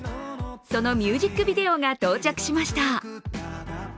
そのミュージックビデオが到着しました。